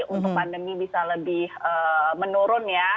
untuk pandemi bisa lebih menurun ya